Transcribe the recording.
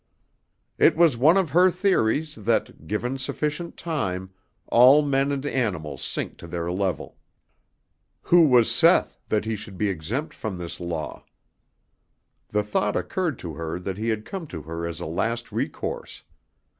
It was one of her theories that, given sufficient time, all men and animals sink to their level. Who was Seth that he should be exempt from this law? The thought occurred to her that he had come to her as a last recourse.